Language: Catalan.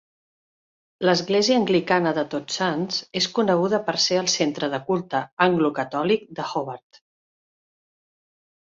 L'església anglicana de Tots Sants és coneguda per ser el centre de culte anglo-catòlic de Hobart.